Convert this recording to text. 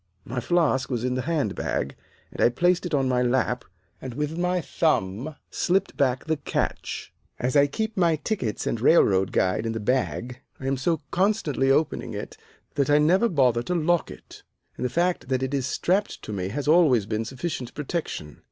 "My flask was in the hand bag, and I placed it on my lap and with my thumb slipped back the catch. As I keep my tickets and railroad guide in the bag, I am so constantly opening it that I never bother to lock it, and the fact that it is strapped to me has always been sufficient protection.